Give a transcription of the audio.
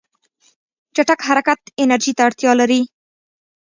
چټک حرکت انرژي ته اړتیا لري.